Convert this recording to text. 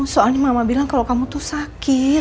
soalnya mama bilang kalau kamu tuh sakit